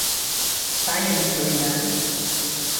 — Сайын илена...